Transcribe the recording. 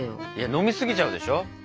飲み過ぎちゃうでしょ。